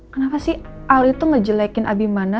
kenapa sih al itu ngejelekin abimana